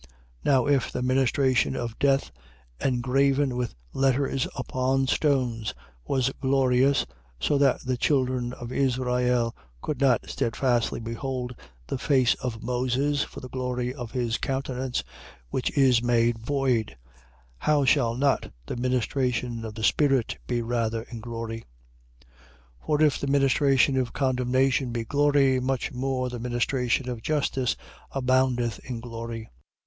Now if the ministration of death, engraven with letters upon stones, was glorious (so that the children of Israel could not steadfastly behold the face of Moses, for the glory of his countenance), which is made void: 3:8. How shall not the ministration of the spirit be rather in glory? 3:9. For if the ministration of condemnation be glory, much more the ministration of justice aboundeth in glory.